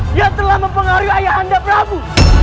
dia telah mempengaruhi ayah anda prabu